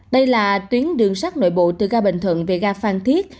đây là tuyến đường sắt nội bộ từ gà bình thuận về gà phan thiết